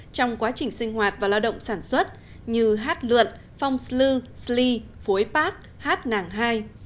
trong quá trình sinh hoạt và lao động sản xuất như hát lượn phong slư sli phối pát hát nàng hai